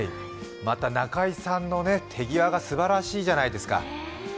また仲居さんの手際がすばらしいじゃないですか。